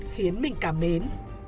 khiến mình cảm mến